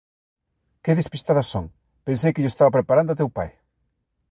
_Que despistada son, pensei que llo estaba preparando a teu pai.